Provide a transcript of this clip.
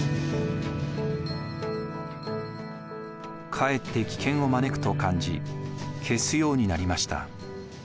かえって危険を招くと感じ消すようになりました。